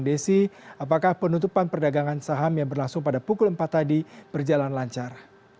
desi apakah penutupan perdagangan saham yang berlangsung pada pukul empat tadi berjalan lancar